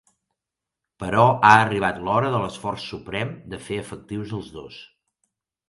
Però ha arribat l'hora de l'esforç suprem de fer efectius els dos.